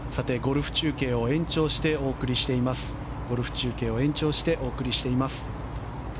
ゴルフ中継を延長してお送りしています。